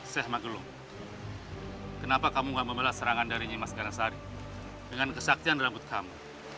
syekh magelung kenapa kamu gak membalas serangan dari nimas ganasari dengan kesatian rambut kamu